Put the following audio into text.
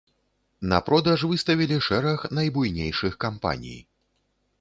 На продаж выставілі шэраг найбуйнейшых кампаній.